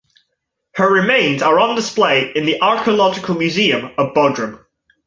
Her remains are on display in the archaeological museum of Bodrum.